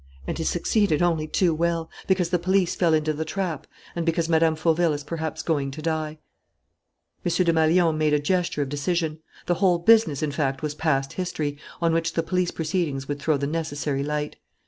And he succeeded only too well, because the police fell into the trap and because Mme. Fauville is perhaps going to die." M. Desmalions made a gesture of decision. The whole business, in fact, was past history, on which the police proceedings would throw the necessary light.